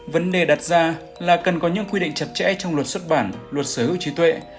vấn đề đặt ra là cần có những quy định chặt chẽ trong luật xuất bản luật sở hữu trí tuệ